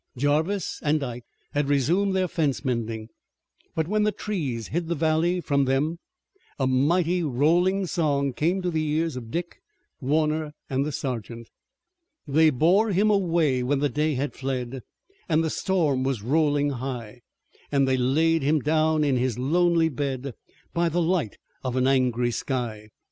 Jarvis and Ike had resumed their fence mending, but when the trees hid the valley from them a mighty, rolling song came to the ears of Dick, Warner and the sergeant: They bore him away when the day had fled, And the storm was rolling high, And they laid him down in his lonely bed By the light of an angry sky.